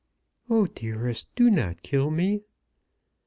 "Oh, dearest, do not kill me."